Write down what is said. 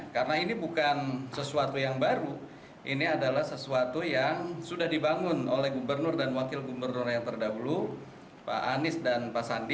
karena ini bukan sesuatu yang baru ini adalah sesuatu yang sudah dibangun oleh gubernur dan wakil gubernur yang terdahulu pak anies dan pakandu